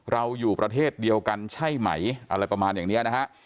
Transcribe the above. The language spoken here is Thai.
เราอยู่ประเทศเดียวกันใช่ไหมอะไรประมาณอย่างนี้นะฮะ